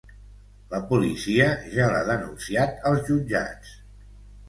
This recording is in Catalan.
La policia ja l’ha denunciat als jutjats.